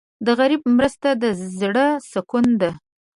د غریب مرسته د زړه سکون ده.